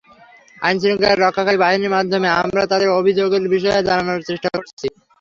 আইনশৃঙ্খলা রক্ষাকারী বাহিনীর মাধ্যমে আমরা তাঁদের অভিযোগের বিষয়ে জানার চেষ্টা করছি।